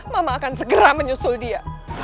mama akan segera menyusul dia